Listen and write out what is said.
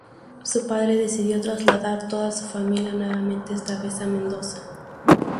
Su padre decidió trasladar toda su familia nuevamente, esta vez a Mendoza.